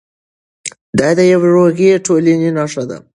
دا د یوې روغې ټولنې نښه ده.